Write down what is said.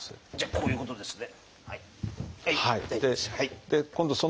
こういうことですね。